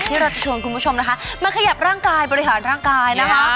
ที่เราจะชวนคุณผู้ชมนะคะมาขยับร่างกายบริหารร่างกายนะคะ